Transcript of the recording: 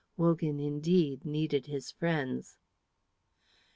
Wogan indeed needed his friends.